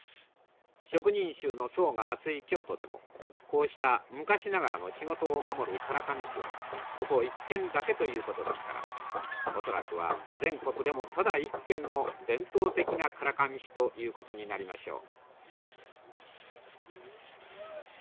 職人衆の層が厚い京都でもこうした昔ながらの仕事を守る唐紙師はここ一軒だけということですから恐らくは全国でもただ一軒の伝統的な唐紙師ということになりましょう。